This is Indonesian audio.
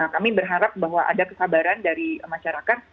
kami berharap bahwa ada kesabaran dari masyarakat